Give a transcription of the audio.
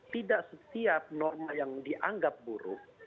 tidak setiap norma yang dianggap buruk